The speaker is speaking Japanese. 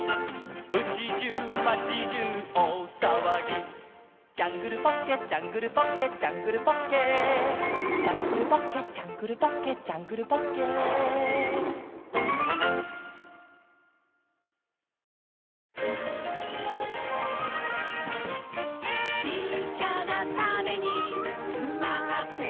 「うちじゅう町じゅうおおさわぎ」「ジャングルポッケジャングルポッケ」「ジャングルポッケ」「ジャングルポッケジャングルポッケ」「ジャングルポッケ」「ちっちゃなタネにつまってるんだ」